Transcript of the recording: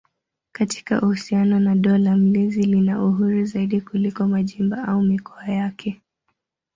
Katika uhusiano na dola mlezi lina uhuru zaidi kuliko majimbo au mikoa yake.